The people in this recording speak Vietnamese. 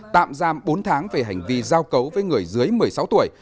tạm giam bốn tháng về hành vi giao cấu với người dưới một mươi sáu tuổi